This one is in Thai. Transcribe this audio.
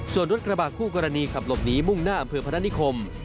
ส่วนรถกระบะคู่กรณีขับหลบหนีมุ่งหน้าอำเภอพนักนิคม